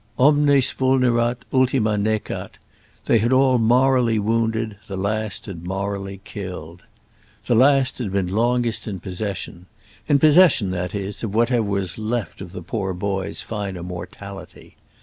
Omnes vulnerant, ultima necat—they had all morally wounded, the last had morally killed. The last had been longest in possession—in possession, that is, of whatever was left of the poor boy's finer mortality.